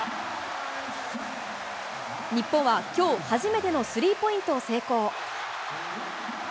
日本はきょう初めてのスリーポイントを成功。